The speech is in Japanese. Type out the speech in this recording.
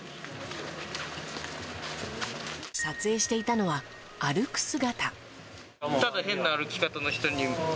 撮影していたのは歩く姿。